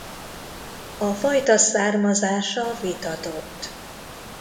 A fajta származása vitatott.